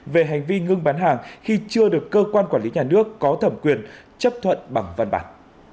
về hành vi ngưng bán hàng khi chưa được cơ quan quản lý nhà nước có thẩm quyền chấp thuận bằng văn bản